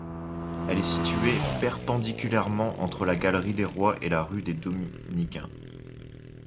Elle est située perpendiculairement entre la Galerie du Roi et la rue des Dominicains.